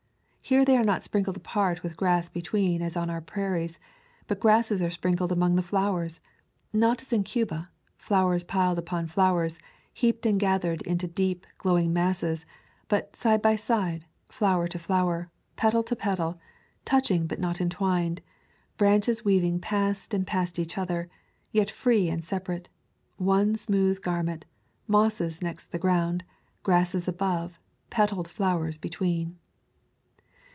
Here they are not sprinkled apart with grass between as on our prairies, but grasses are sprinkled among the flowers; not as in Cuba, flowers piled upon flowers, heaped and gathered into deep, glow ing masses, but side by side, flower to flower, petal to petal, touching but not entwined, branches weaving past and past each other, yet free and separate — one smooth garment, mosses next the ground, grasses above, petaled flowers between.